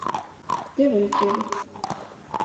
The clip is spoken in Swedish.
Det vore trevligt.